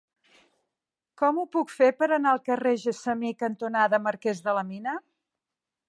Com ho puc fer per anar al carrer Gessamí cantonada Marquès de la Mina?